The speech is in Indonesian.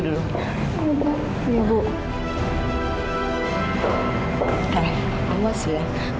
hai yang sehingga saya pergi dulu ya bu